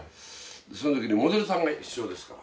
その時にモデルさんが必要ですから。